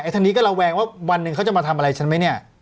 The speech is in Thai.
ทางนี้ก็ระแวงว่าวันหนึ่งเขาจะมาทำอะไรฉันไหมเนี่ย